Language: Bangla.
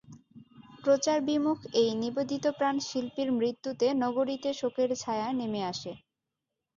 প্রচারবিমুখ এই নিবেদিতপ্রাণ শিল্পীর মৃত্যুতে নগরীতে শোকের ছায়া নেমে আসে।